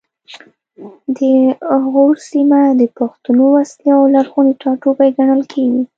د غور سیمه د پښتنو اصلي او لرغونی ټاټوبی ګڼل کیږي